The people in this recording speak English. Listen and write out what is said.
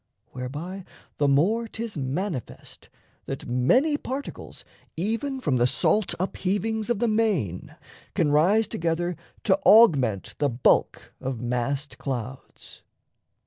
Whereby the more 'Tis manifest that many particles Even from the salt upheavings of the main Can rise together to augment the bulk Of massed clouds.